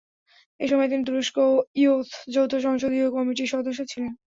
এসময় তিনি তুরস্ক-ইইউ যৌথ সংসদীয় কমিটির সদস্য ছিলেন।